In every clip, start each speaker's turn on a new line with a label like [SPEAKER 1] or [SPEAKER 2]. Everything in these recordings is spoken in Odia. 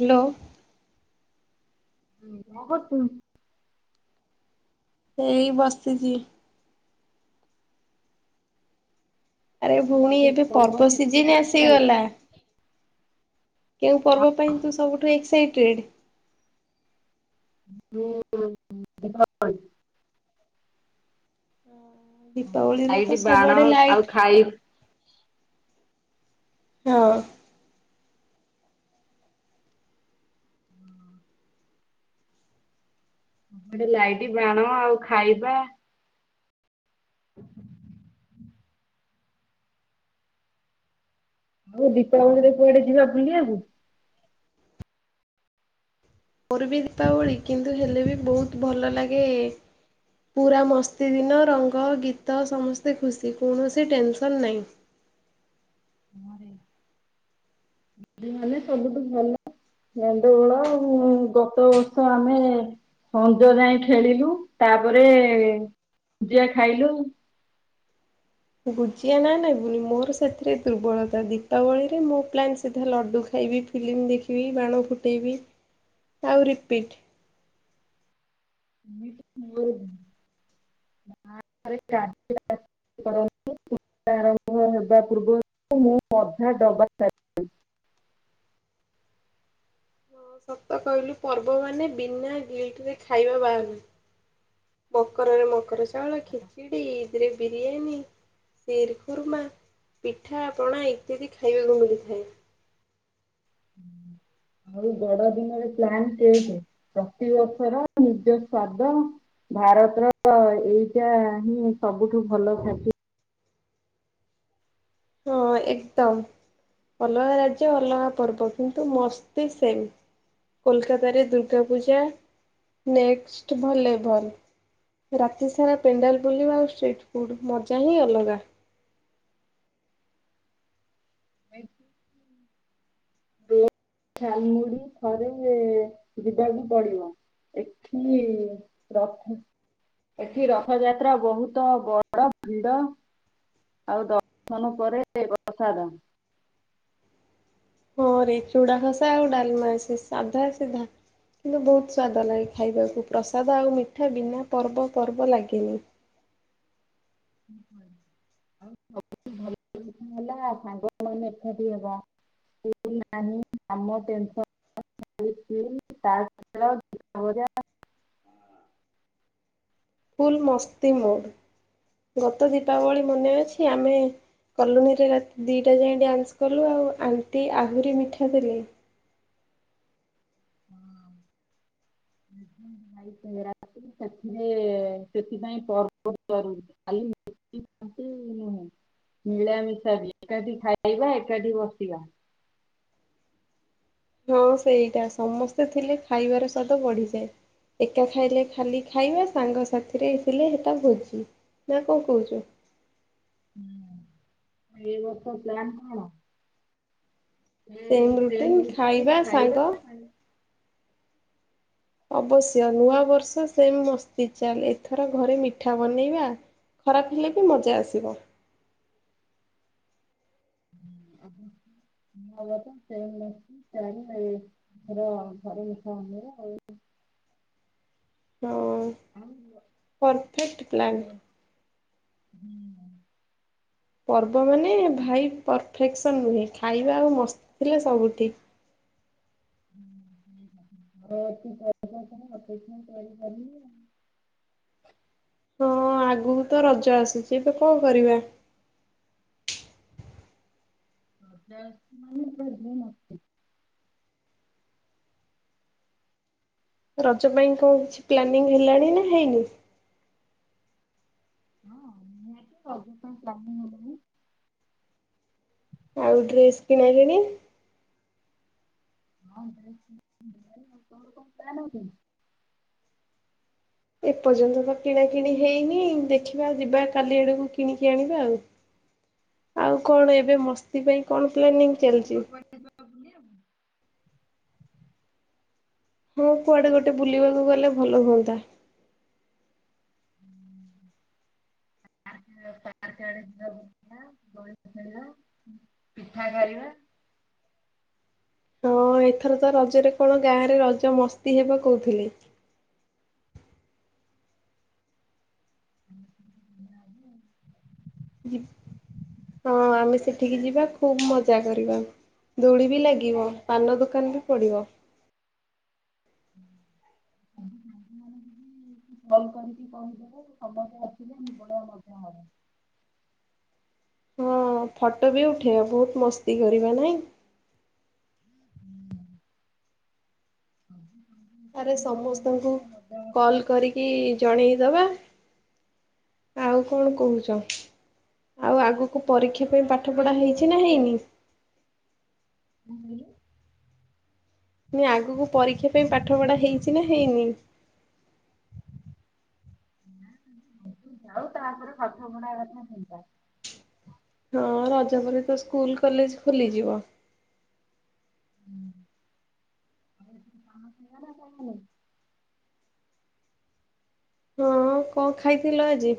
[SPEAKER 1] ହ୍ୟାଲୋ।
[SPEAKER 2] ହୁଁ କଣ କରୁଚୁ?
[SPEAKER 1] ଏଇ ବସିଚି। ଆରେ ଭଉଣୀ ଏବେ ପର୍ବ ସିଜିନ୍ ଆସିଗଲା। କେଉଁ ପର୍ବ ପାଇଁ ତୁ ସବୁଠୁ ଏକ୍ସାଇଟେଡ?
[SPEAKER 2] ମୁଁ ଦୀପା ବଳୀ
[SPEAKER 1] ଦୀପାବଳିରେ ତ
[SPEAKER 2] ଲାଇଟ ବାଣ
[SPEAKER 1] ସବୁଆଡେ ଲାଇଟ୍
[SPEAKER 2] ଆଉ ଖାଇ
[SPEAKER 1] ହଁ।
[SPEAKER 2] ସବୁଆଡେ ଲାଇଟ ବାଣ ଆଉ ଖାଇବା [inaudible] ଆଉ ଦୀପାବଳିରେ କୁଆଡେ ଯିବା ବୁଲିବାକୁ?
[SPEAKER 1] ମୋର ବି ଦୀପାବଳି କିନ୍ତୁ ହେଲେ ବି ବହୁତ ଭଲ ଲାଗେ ପୁରା ମସ୍ତି ଦିନ ରଙ୍ଗ ଗୀତ ସମସ୍ତେ ଖୁସି କୌଣସି ଟେନସନ୍ ନାହିଁ।
[SPEAKER 2] ସବୁଠୁ ଭଲ ଗଣ୍ଡଗୋଳ ଗତ ବର୍ଷ ଆମେ ସଞ୍ଜ ଯାଏ ଖେଳିଲୁ ତାପରେ ଗୁଜିଆ ଖାଇଲୁ
[SPEAKER 1] ଗୁଜିଆ ନା ନବୁନି ମୋର ସେଥିରେ ଦୁର୍ବଳତା ଦୀପାବଳିରେ ମୋ ପ୍ଲାନ୍ ସିଧା ଲଡ଼ୁ ଖାଇବି ଫିଲ୍ମ ଦେଖିବି ବାଣ ଫୁଟେଇବି ଆଉ ରିପିଟ
[SPEAKER 2] ମୋର [unintelligible] ଆରମ୍ଭ ହେବା ପୂର୍ବରୁ ମୁଁ ଅଧା ଡବା ସାରିଦେବି।
[SPEAKER 1] ହଁ ସତ କହିଲୁ ପର୍ବ ମାନେ ବିନା ଗେଟରେ ଖାଇବା ବାହାରୁନି ମକରରେ ମକର ଚାଉଳ ଖିଚିଡି ଇଦରେ ବିରିୟାନୀ ସିର ଖୁର୍ମା ପିଠା ପଣା ଇତ୍ୟାଦି ଖାଇବାକୁ ମିଳିଥାଏ।
[SPEAKER 2] ଆଉ ବଡ ଦିନରେ ପ୍ଲାନ କେକ୍ ପ୍ରତିିବର୍ଷର ନିଜ ସ୍ଵାଦ ଭାରତର ଏଇଟା ହିଁ ସବୁଠୁ ଭଲ ଖାଦ୍ୟ।
[SPEAKER 1] ହଁ ଏକଦମ ଅଲଗା ରାଜ୍ୟ ଅଲଗା ପର୍ବ କିନ୍ତୁ ମସ୍ତି ସେମ୍ କୋଲକାତାରେ ଦୁର୍ଗା ପୂଜା ନେକ୍ସଟ ଭଲେ ଭଲ ରାତି ସାରା ପେଣ୍ଡାଲ ବୁଲିବା ଆଉ ଷ୍ଟ୍ରିଟ୍ ଫୁଡ଼୍ ମଜା ହିଁ ଅଲଗା।
[SPEAKER 2] ଝାଲମୁଡି ଥରେ ଯିବାକୁ ପଡିବ ଏଠି ରଥ ଏଠି ରଥଯାତ୍ରା ବହୁତ ବଡ ଭିଡ ଆଉ ଦର୍ଶନ ପରେ ପ୍ରସାଦ
[SPEAKER 1] ହଁ ରେ ଚୁଡ଼ା ଘସା ଆଉ ଡାଲମା ସେ ସାଧା ସିଧା କିନ୍ତୁ ବହୁତ ସ୍ଵାଦ ଲାଗେ ଖାଇବାକୁ ପ୍ରସାଦ ଆଉ ମିଠା ବିନା ପର୍ବ ପର୍ବ ଲାଗେନି।
[SPEAKER 2] ଆଉ ସବୁଠୁ ଭଲ କଥା ହେଲା ସାଙ୍ଗମାନେ ଏକାଠି ହେବା ନାହିଁ [unintelligible]
[SPEAKER 1] ଫୁଲ୍ ମସ୍ତି ମୋଡ଼୍ ଗତ ଦୀପାବଳି ମନେ ଅଛି ଆମେ କଲୋନୀରେ ରାତି ଦୁଇଟା ଯାଏ ଡ୍ୟାନ୍ସ କଲୁ ଆଉ ଆଣ୍ଟି ଆହୁରି ମିଠା ଦେଲେ।
[SPEAKER 2] [unintelligible] ରା ସେଥିରେ ସେଥିପାଇଁ ପର୍ବ ନୁହେଁ ମିଳାମିଶା ବି ଏକାଠି ଖାଇବା ଏକାଠି ବସିବା।
[SPEAKER 1] ହଁ ସେଇଟା ସମସ୍ତେ ଥିଲେ ଖାଇବାର ସ୍ୱାଦ ବଢିଯାଏ ଏକା ଖାଇଲେ ଖାଲି ଖାଇବା ସାଙ୍ଗ ସାଥିରେ ଥିଲେ ସେଟା ଭୋଜି ନା କଣ କହୁଛୁ।
[SPEAKER 2] ହୁଁ ଏଇ ବର୍ଷ ପ୍ଲାନ୍ କଣ? ସେ
[SPEAKER 1] ସେମ୍
[SPEAKER 2] ଟ୍ରେନ୍
[SPEAKER 1] ରୁଟିନ
[SPEAKER 2] ରେ
[SPEAKER 1] ଖାଇବା ସାଙ୍ଗ। ଅବଶ୍ୟ ନୂଆ ବର୍ଷ ସେମ୍ ମସ୍ତି ଚାଲେ ଏଥର ଘରେ ମିଠା ବନେଇବା ଖରାପ ହେଲେ ବି ମଜା ଆସିବ।
[SPEAKER 2] [unintelligible] ଏଥର ଘରେ ମିଠା ବନେଇବା।
[SPEAKER 1] ହଁ
[SPEAKER 2] ଆଉ
[SPEAKER 1] ପରଫେକ୍ଟ ପ୍ଲାନ୍।
[SPEAKER 2] ହୁଁ।
[SPEAKER 1] ପର୍ବ ପର୍ବ ମାନେ ଭାଇ ଫେକ୍ସନ୍ ନୁହେଁ ଖାଇବା ଆଉ ମସ୍ତି ଥିଲେ ସବୁ ଠିକ୍।
[SPEAKER 2] [unintelligible]
[SPEAKER 1] ହଁ ଆଗକୁ ତ ରଜ ଆସୁଛି ଏବେ କଣ କରିବା?
[SPEAKER 2] [unintelligible]
[SPEAKER 1] ରଜ ପାଇଁ କଣ କିଛି ପ୍ଲାନିଂ ହେଲାଣି ନା ହେଇନି?
[SPEAKER 2] ହଁ ମୁ ଅପ ପ୍ଲାାନିଂ ହେଲେ
[SPEAKER 1] ଆଉ ଡ୍ରେସ୍ କିଣାକିଣି?
[SPEAKER 2] [unintelligible]
[SPEAKER 1] ଏପର୍ଯ୍ୟନ୍ତ ତ କିଣା କିିଣି ହେଇନି ଦେଖିବା ଯିବା କାଲି ଆଡକୁ କିଣିକି ଆଣିବା ଆଉ ଆଉ କଣ ଏବେ ମସ୍ତି ପାଇଁ କଣ ପ୍ଲାନିଂ ଚାଲିଛି?
[SPEAKER 2] କୁଆଡେ କୁଆଡେ ବୁଲିବାକୁ?
[SPEAKER 1] ହଁ କୁଆଡେ ଗୋଟେ ବୁଲିବାକୁ ଗଲେ ଭଲ ହୁଅନ୍ତା।
[SPEAKER 2] ଡ ପିଠା କରିବା
[SPEAKER 1] ହଁ ଏଥର ତ ରଜରେ କଣ ଗାଁ ରେ ରଜ ମସ୍ତି ହେବ କହୁଥିଲେି
[SPEAKER 2] ଆ
[SPEAKER 1] ହଁ ଆମେ ସେଠିକି ଯିବା ଖୁବ ମଜା କରିବା ଦୂଳି ବି ଲାଗିବ ପାନ ଦୋକାନ ବି ପଡିବ।
[SPEAKER 2] ଙ୍କୁଲ କରିକି କହିଦେବ ସମସ୍ତେ ଆସିଲେ ଇମ୍ପୋଟାଣ୍ଟ କଥା ହବ
[SPEAKER 1] ହଁ ଫଟୋ ବି ଉଠେଇବା ବହୁତ ମସ୍ତି କରିବା ନାଇଁ।
[SPEAKER 2] ହୁଁ ହ
[SPEAKER 1] ଆରେ ସମସ୍ତଙ୍କୁ
[SPEAKER 2] ମସ୍ତି
[SPEAKER 1] କଲ
[SPEAKER 2] ହବ
[SPEAKER 1] କରିକି ଜଣେଇଦବା ଆଉ କଣ କହୁଛ? ଆଉ ଆଗକୁ
[SPEAKER 2] ଆଉ ଏଥର
[SPEAKER 1] ପରୀକ୍ଷା ପାଇଁ
[SPEAKER 2] ପାନ
[SPEAKER 1] ପାଠ
[SPEAKER 2] ଖାଇବା
[SPEAKER 1] ପଢା ହେଇଛି
[SPEAKER 2] ତମେ
[SPEAKER 1] ନା
[SPEAKER 2] ଖାଇବନି?
[SPEAKER 1] ହେଇନି?
[SPEAKER 2] କଣ କହିଲୁ?
[SPEAKER 1] ମୁ ଆଗକୁ ପରୀକ୍ଷା ପାଇଁ ପାଠ ପଢା ହେଇଛି ନା ହେଇନି?
[SPEAKER 2] ଯାଉ ତାପରେ ପାଠ ପଢା କଥା ଚିନ୍ତା
[SPEAKER 1] ହଁ ରଜ ପରେ ତ ସ୍କୁଲ କଲେଜ ଖୋଲିଯିବ
[SPEAKER 2] ହଁ
[SPEAKER 1] ହଁ କଣ ଖାଇଥିଲ ଆଜି?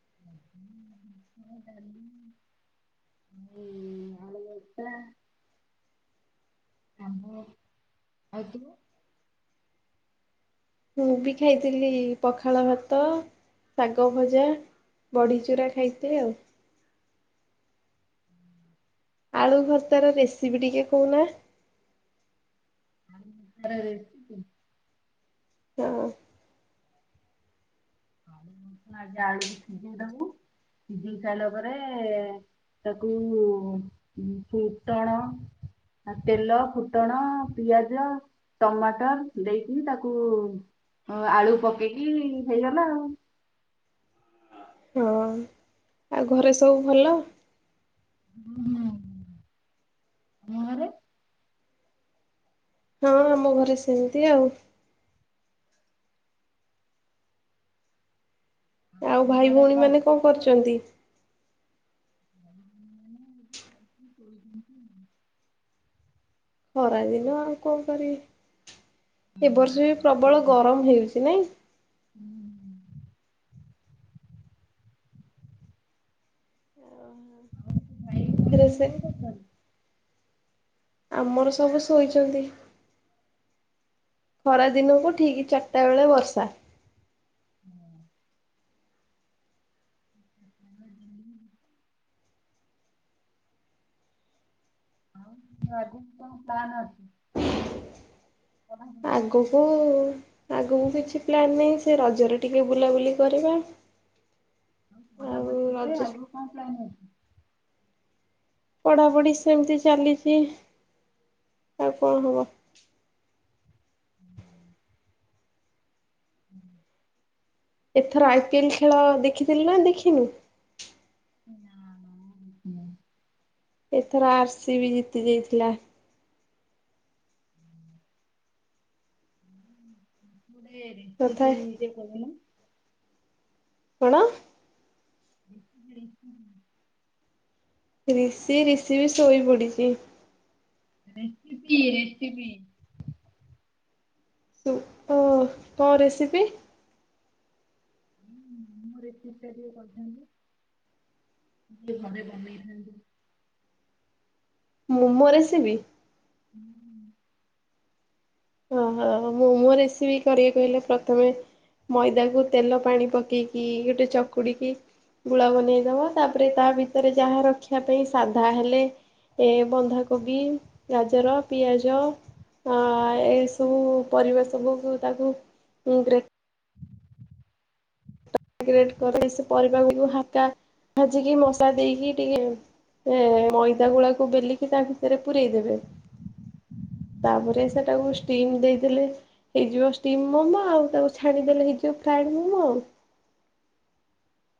[SPEAKER 2] ହଁ ଆ ଏତ ଆମ୍ବ ଖାଇଥିଲି ଆଉ ତୁ?
[SPEAKER 1] ମୁଁ ବି ଖାଇଥିଲି ପଖାଳ ଭାତ ଶାଗ ଭଜା ବଡ଼ିଚୂୁରା ଖାଇଥିଲ ଆଉ। ଆଳୁ ଭତ ର ରେସିପି ଟିକେ ଶକହୁନା।
[SPEAKER 2] [unintelligible]
[SPEAKER 1] ହଁ
[SPEAKER 2] ଆ ଆଜ ଆଳୁକୁ ସିଝେଇ ଦବୁ ସିଝେଇ ସାରିଲା ପରେ ତାକୁ ଫୁଟଣ ତେଲ ଫୁଟଣ ପିଆଜ ଟମାଟର ଦେଇକି ତାକୁ ଆଳୁ ପକେଇକି ହେଇଗଲା ଆଉ
[SPEAKER 1] ହଁ ଆଉ ଘରେ ସବୁ ଭଲ
[SPEAKER 2] ଆମ ଘରେ
[SPEAKER 1] ହଁ ଆମ ଘରେ ସେମିତି ଆଉ। ଆଉ
[SPEAKER 2] ଆମ
[SPEAKER 1] ଭାଇ
[SPEAKER 2] ଆଡେ
[SPEAKER 1] ଭଉଣୀ ମାନେ କଣ କରୁ ଚନ୍ତି
[SPEAKER 2] [unintelligible]
[SPEAKER 1] ଖରାଦିନ ଆଉ କଣ କରିବି। ଏବ ବର୍ଷ ବି ପ୍ରବଳ ଗରମ ହେଉଛି ନାଇଁ ଓ ଫେରେ ସେ ଆମର ସବୁ ଶୋଇଛନ୍ତି ଖରା ଦିନକୁ ଠିକ ଚାରିଟା ବେଳେ ବର୍ଷା
[SPEAKER 2] ହଁ ଅଧିକ ସ୍ଥାନ ଅଛି,
[SPEAKER 1] ଆଗକୁ ଆଗକୁ କିଛି ପ୍ଲାନ୍ ନାହିଁ ସେ ରଜରେ ଟିକେ ବୁଲାବୁଲି କରିବା
[SPEAKER 2] ପଢା
[SPEAKER 1] ଆଉ
[SPEAKER 2] ପଢି ଉରେରେ
[SPEAKER 1] ରଜ
[SPEAKER 2] ଆଗରୁ କଣ ପ୍ଲାନ୍ ଅଛି।
[SPEAKER 1] ପଢାପଢି ସେମ୍ ତି ଚାଲିଚି ଅଳ୍ପ ଅଳ୍ପ ହବ।
[SPEAKER 2] ହୁଁ [inaudible]
[SPEAKER 1] ଏଥର ଆଇ ପି ଏଲ ଖେଳ ଦେଖିଥିଲି ନା ଦେଖିନୁ।
[SPEAKER 2] ନା
[SPEAKER 1] ଏଥର ଆରସିି ବି ଜିତି ଯାଇଥିଲା
[SPEAKER 2] ଗୋଟେ
[SPEAKER 1] ତଥା
[SPEAKER 2] ଯେ କ ନା [inaudible]
[SPEAKER 1] ତୁଣ
[SPEAKER 2] [inaudible]
[SPEAKER 1] ରିଷି ରିଷି ବି ସୋଇ ପଡିଛି
[SPEAKER 2] ରେସିପି ରେସିପି।
[SPEAKER 1] ସିଏ କଣ ତା ରେସିପି।
[SPEAKER 2] ହଁ ମୋର ଏତେ ଇଚ୍ଛା ଟିକେ କହିଥାନ୍ତି ଯ ଘରେ ବନେଇଥାନ୍ତି [inaudible]
[SPEAKER 1] ମୁମୋ ରେସିବି
[SPEAKER 2] ହୁଁ [unintelligible]
[SPEAKER 1] ଓହ ହ ମୁଁମୋ ରେସିବି କରିବାକୁ ହେଲେ ପ୍ରଥମେ ମଇଦାକୁ ତେଲ ପାଣି ପକେଇକି ଗୋଟେ ଚକୁଡ଼ିକି ଗୁଳା ବନେଇଦବ ତାପରେ ତା ଭିତରେ ଯାହା ରଖିଆ ପାଇଁ ସାଧା ହେଲେ ଏ ବନ୍ଧାକୋବି ଗାଜର ପିଆଜ ଆ ଏସବୁ ପରିବା ସବୁକୁ ତାକୁ ବ୍ରେକ୍ ଗ୍ରେଟ୍ ପରିସେ ପରିବା ଗୁଗୁ ହକା ଭାଜିକି ମସା ଦେଇକି ଟିକେ ଏ ମଇଦା ଗୁଳାକୁ ବେଲିକି ତା ଭିତରେ ପୁରେଇ ଦେବେ। ତାପରେ ସେଟାକୁ ଷ୍ଟିମ୍ ଦେଇଦଲେ ହେଇଯିବ ଷ୍ଟିମ୍ ମୋମୋ ଆଉ ତାକୁ ଛାଣିଦଲେ ହେଇଯ ଫ୍ରଏଡ ମୋମୋ ଆଉ।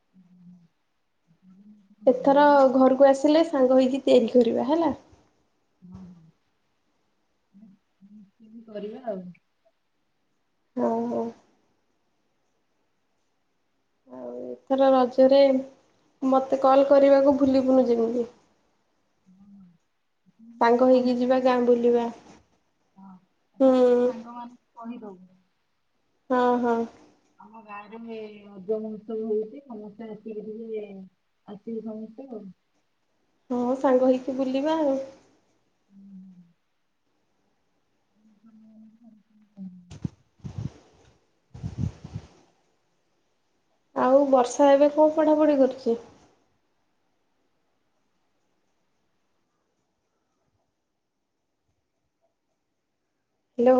[SPEAKER 2] ହୁଁ [inaudible]
[SPEAKER 1] ଏଥର ଘରକୁ ଆସିଲେ ସାଙ୍ଗ ହେଇକି ତିଆରି କରିବା ହେଲା।
[SPEAKER 2] ହ ହ କେତି କରିବା ଆଉ [unintelligible]
[SPEAKER 1] ହୋଉ ହୋଉ। ଆଉ ଏଥର ରଜରେ ମତେ କଲ କରିବାକୁ ଭୁଲିବୁନି ଯେମିତି। ସାଙ୍ଗ ହେଇକି
[SPEAKER 2] ମନେ
[SPEAKER 1] ଯିବା
[SPEAKER 2] କରିକି
[SPEAKER 1] ଗାଁ
[SPEAKER 2] ସବୁ
[SPEAKER 1] ବୁଲିବା।
[SPEAKER 2] ସାଙ୍ଗ ମାନ ହଁ
[SPEAKER 1] ହୁଁ
[SPEAKER 2] ସବୁ ସାଙ୍ଗ ମାନଙ୍କୁ କହି ଦୋବୁ।
[SPEAKER 1] ହଁ ହଁ
[SPEAKER 2] ଆମ୍ ଗାଁ ରେ ସେ ରଜମହତ୍ସବ ହଉଛି ସମସ୍ତେ ଆସିବେ ଆସିକି ଆସିବେ ସମସ୍ତେ ଆଉ।
[SPEAKER 1] ହଁ ସାଙ୍ଗ ହେଇକି ବୁଲିବା ଆଉ।
[SPEAKER 2] ହ [inaudible]
[SPEAKER 1] ଆଉ ବର୍ଷା ଏବେ କଣ ପଢ଼ାପଢ଼ି କରୁଛି। ହାଲୋ।